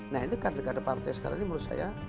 nah ini kader kader partai sekarang ini menurut saya